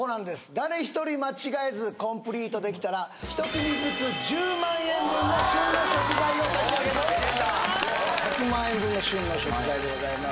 誰一人間違えずコンプリートできたら１組ずつ１０万円分の旬の食材を差し上げますでございます